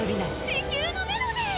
地球のメロディー！